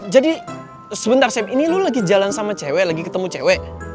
jadi sebentar sebentar ini lo lagi jalan sama cewek lagi ketemu cewek